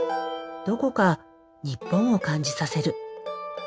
どこか日本を感じさせる。